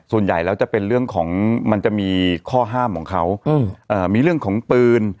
ส่วนใหญ่แล้วจะเป็นเรื่องของมันจะมีข้อห้ามของเขามีเรื่องของปืน